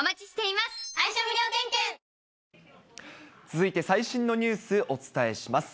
続いて、最新のニュース、お伝えします。